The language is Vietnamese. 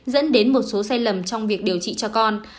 dẫn đến một số sai lầm trong việc điều trị cho con